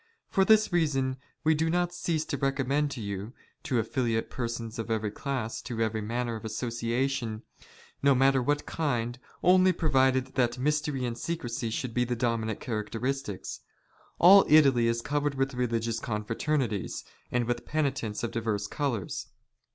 For this " reason we do not cease to recommend to you, to affiliate "persons of every class to every manner of association, no " matter of what kind, only provided that mystery and secrecy " shoidd he the dominant characteristics. All Italy is covered "with religious confraternities, and with penitents of divers " colours.